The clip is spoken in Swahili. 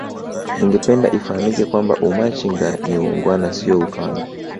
ningependa ifahamike kwamba Umachinga ni uungwana sio utwana